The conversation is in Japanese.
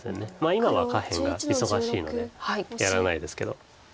今は下辺が忙しいのでやらないですけど。